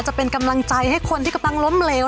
จะเป็นกำลังใจให้คนที่กำลังล้มเหลว